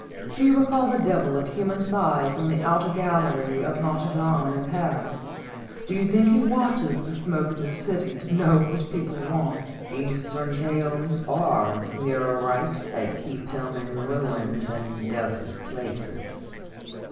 Do you recall the Devil of human size on the outer gallery of Notre Dame in Paris? Do you think he watches the smoke of the city to know what people want? Eastern tales are nearer right that keep him in ruins and desert places."